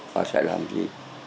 họ sẽ làm gì